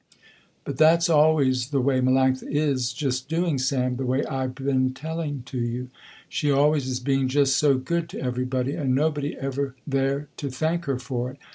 But that's always the way Melanctha is just doing Sam, the way I been telling to you. She always is being just so good to everybody and nobody ever there to thank her for it.